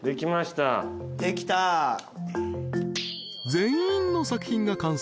［全員の作品が完成！］